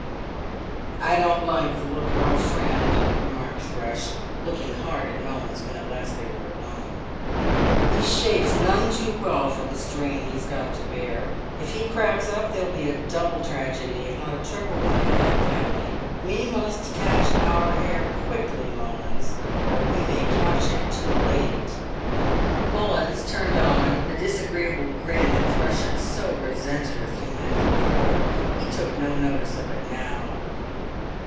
"I don't like the look of our friend," remarked Thrush, looking hard at Mullins when at last they were alone. "He shapes none too well for the strain he's got to bear; if he cracks up there'll be a double tragedy, if not a triple one, in that family. We must catch our hare quickly, Mullins, or we may catch him too late." Mullins turned on the disagreeable grin that Thrush had so resented a few minutes before; he took no notice of it now.